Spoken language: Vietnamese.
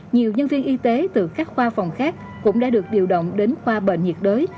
nhiều nhân viên y tế từ các khoa phòng khác cũng đã được điều động đến khoa bệnh nhiệt đới